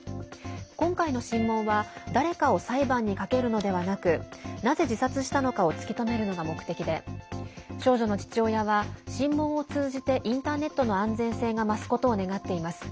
今回の審問は誰かを裁判にかけるのではなくなぜ自殺をしたのかを突き止めるのが目的で少女の父親は審問を通じてインターネットの安全性が増すことを願っています。